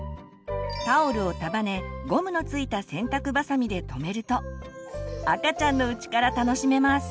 タオルを束ねゴムの付いた洗濯ばさみでとめると赤ちゃんのうちから楽しめます。